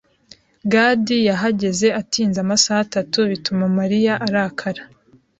Gad yahageze atinze amasaha atatu bituma Mariya arakara.